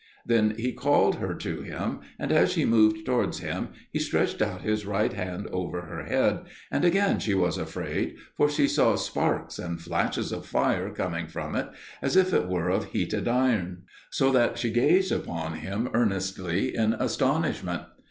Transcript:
Then he called her to him, and as she moved towards him he stretched out his right hand over her head, and again she was afraid, for she saw sparks and flashes of fire coming from it, as if it were of heated iron; so that she gazed upon him earnestly in astonishment.